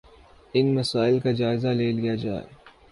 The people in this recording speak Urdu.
ان مسائل کا جائزہ لے لیا جائے